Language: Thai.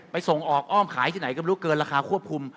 ส่งออกอ้อมขายที่ไหนก็ไม่รู้เกินราคาควบคุม